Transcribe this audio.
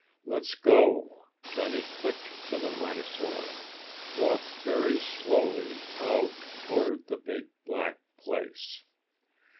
"Let's go!" Johnny clicked to the rhinosaur. "Walk very slowly out toward the big black place."